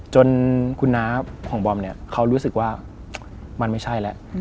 จนคุณน้าของบอมเนี่ยเขารู้สึกว่ามันไม่ใช่แล้ว